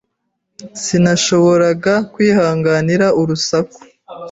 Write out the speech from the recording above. Sinashoboraga kwihanganira urusaku.